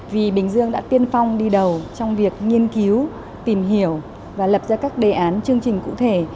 vì bình dương đã tiên phong đi đầu trong việc nghiên cứu tìm hiểu và lập ra các đề án chương trình cụ thể